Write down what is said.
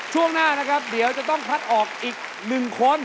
ช่วงหน้านะครับเดี๋ยวจะต้องคัดออกอีก๑คน